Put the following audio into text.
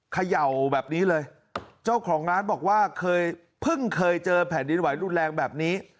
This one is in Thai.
เขย่าแบบนี้เลยเจ้าของร้านบอกว่าเคยเพิ่งเคยเจอแผ่นดินไหวรุนแรงแบบนี้